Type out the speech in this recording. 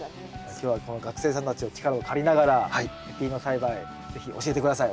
今日はこの学生さんたちの力を借りながらペピーノ栽培是非教えて下さい。